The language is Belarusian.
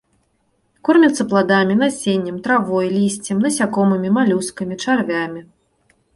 Кормяцца пладамі, насеннем, травой, лісцем, насякомымі, малюскамі, чарвямі.